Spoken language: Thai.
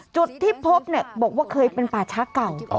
จุดที่พบเนี่ยบอกว่าเคยเป็นป่าช้าเก่า